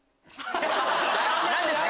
何ですか？